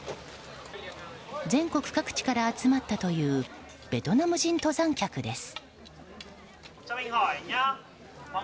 全国各地から集まったというベトナム人登山客です。